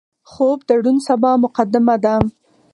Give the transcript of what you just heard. خوب د روڼ سبا مقدمه ده